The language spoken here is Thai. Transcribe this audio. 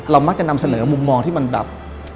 มักจะนำเสนอมุมมองที่มันแบบ